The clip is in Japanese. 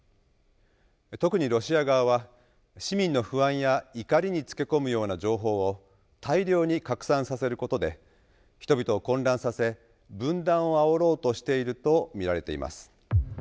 特にロシア側は市民の不安や怒りにつけ込むような情報を大量に拡散させることで人々を混乱させ分断をあおろうとしていると見られています。